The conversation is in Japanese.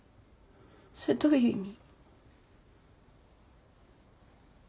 それどういう意味？